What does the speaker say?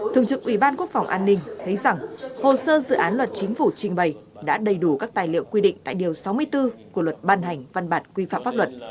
thường trực ủy ban quốc phòng an ninh thấy rằng hồ sơ dự án luật chính phủ trình bày đã đầy đủ các tài liệu quy định tại điều sáu mươi bốn của luật ban hành văn bản quy phạm pháp luật